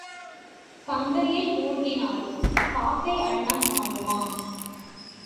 கங்கையில் மூழ்கினாலும் காக்கை அன்னம் ஆகுமா?